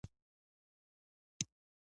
د حافظ شیرازي بل غزل د پښتو نظم مثال نه لري.